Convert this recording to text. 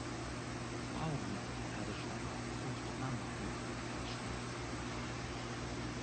Frau mit Pferdeschwanz sucht Mann mit Pferdeschwanz.